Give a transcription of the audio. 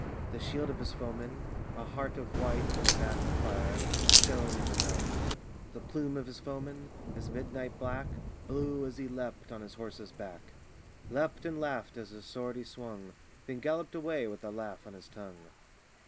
The shield of his foeman a heart of white In a bath of fire shone in the night: The plume of his foeman, as midnight black, Blew, as he leapt on his horse's back: Leapt and laughed as his sword he swung, Then galloped away with a laugh on his tongue....